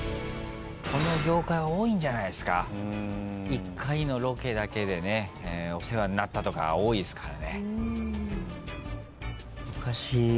１回のロケだけでお世話になったとか多いっすから。